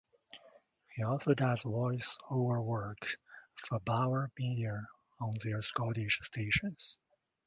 He also does voice over work for Bauer Media on their Scottish stations.